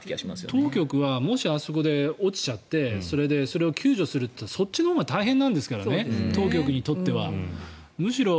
当局はもしあそこで落ちちゃってそれでそれを救助するといったらそっちのほうが大変なんですからね